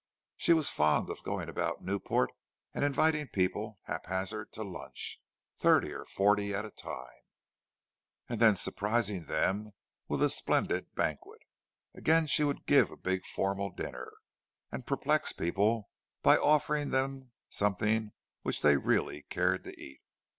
She was fond of going about at Newport and inviting people haphazard to lunch—thirty or forty at a time—and then surprising them with a splendid banquet. Again she would give a big formal dinner, and perplex people by offering them something which they really cared to eat.